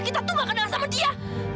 kita tuh gak kenal sama dia